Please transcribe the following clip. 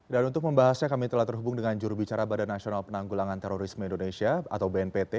dan untuk membahasnya kami telah terhubung dengan jurubicara badan nasional penanggulangan terorisme indonesia atau bnpt